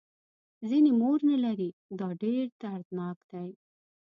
ځینې مور نه لري دا ډېر دردناک دی.